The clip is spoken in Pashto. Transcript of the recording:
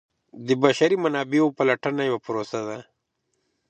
د بشري منابعو پلټنه یوه پروسه ده.